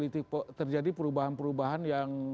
terjadi perubahan perubahan yang